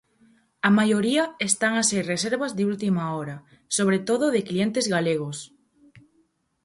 A maioría están a ser reservas de última hora, sobre todo de clientes galegos.